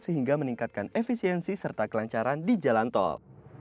sehingga meningkatkan efisiensi serta kelancaran di jalan tol